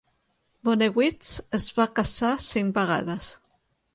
Bonewits es va casar cinc vegades.